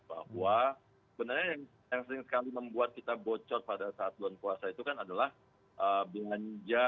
bahwa sebenarnya yang sering sekali membuat kita bocor pada saat bulan puasa itu kan adalah belanja